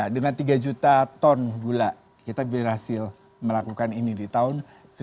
dengan tiga juta ton gula kita berhasil melakukan ini di tahun seribu sembilan ratus sembilan puluh